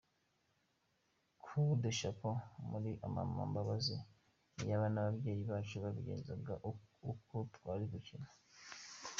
Coup de chapeau kuri Amama Mbabazi, iyaba n’ababyeyi bacu babigenzaga uku twari gukira.